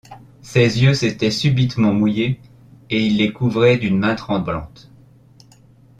Ses yeux s’étaient subitement mouillés, et il les couvrait d’une main tremblante.